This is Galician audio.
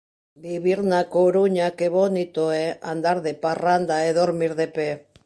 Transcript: Vivir na Coruña, que bonito é: Andar de parranda e dormir de pé